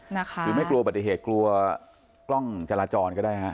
หรือไม่กลัวบัติเหตุกลัวกล้องจราจรก็ได้ฮะ